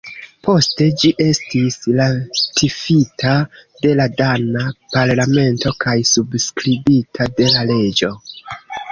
Poste ĝi estis ratifita de la dana parlamento kaj subskribita de la reĝo.